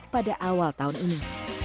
pada awal tahun ini